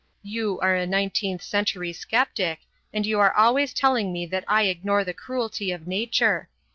You are a nineteenth century sceptic, and you are always telling me that I ignore the cruelty of nature.